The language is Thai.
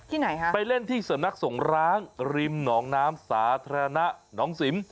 ไหนคะไปเล่นที่สำนักสงร้างริมหนองน้ำสาธารณะหนองสิม